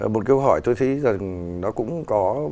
một câu hỏi tôi thấy rằng nó cũng có